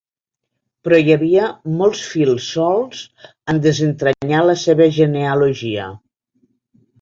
Però hi havia molts fils solts en desentranyar la seva genealogia.